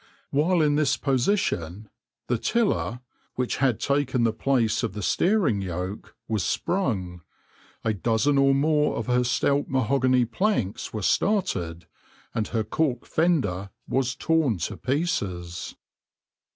While in this position, the tiller, which had taken the place of the steering yoke, was sprung, a dozen or more of her stout mahogany planks were started, and her cork fender was torn to pieces.